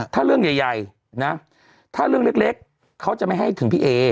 ถ้าเรื่องใหญ่นะถ้าเรื่องเล็กเขาจะไม่ให้ถึงพี่เอ